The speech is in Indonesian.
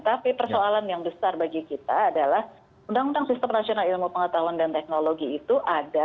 tapi persoalan yang besar bagi kita adalah undang undang sistem nasional ilmu pengetahuan dan teknologi itu ada